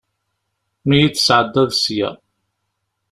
Mi yi-d-tesɛeddaḍ sya.